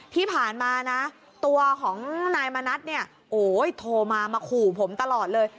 ที่ผ่านมานะตัวของนายมณัฐเนี่ยโอ้ยโทรมามาขู่ผมตลอดเลย